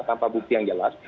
tanpa bukti yang jelas